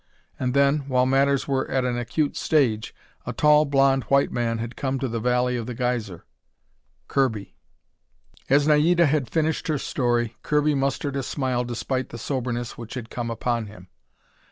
And then, while matters were at an acute stage, a tall, blond white man had come to the Valley of the Geyser Kirby. As Naida had finished her story, Kirby mustered a smile despite the soberness which had come upon him.